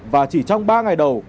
và chỉ trong ba ngày đầu